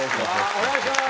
お願いします！